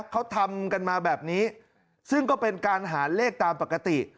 เขาทำกันมาแบบนี้ซึ่งก็เป็นการหาเลขตามปกติ